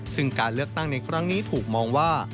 ซึ่งการเลือกตั้งในครั้งนี้ถูกมองว่า